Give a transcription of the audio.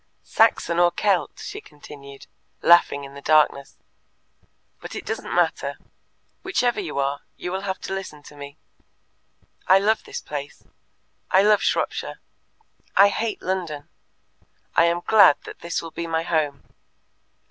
"Saxon or Kelt?" she continued, laughing in the darkness. "But it doesn't matter. Whichever you are, you will have to listen to me. I love this place. I love Shropshire. I hate London. I am glad that this will be my home.